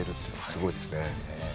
すごいですね。